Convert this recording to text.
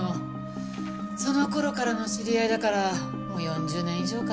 その頃からの知り合いだからもう４０年以上かな。